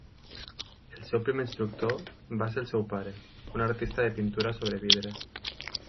El seu primer instructor va ser el seu pare, un artista de pintura sobre vidre.